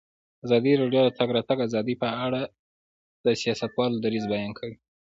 ازادي راډیو د د تګ راتګ ازادي په اړه د سیاستوالو دریځ بیان کړی.